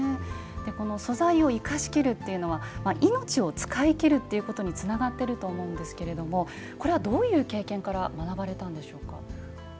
素材を生かしきるっていうのは命を使い切るっていうことにつながってると思うんですけどもこれはどういう経験から学ばれたんでしょうか？